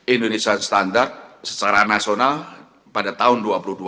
indonesia standar secara nasional pada tahun dua ribu dua puluh